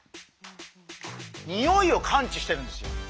ニオイを感知してるんですよ。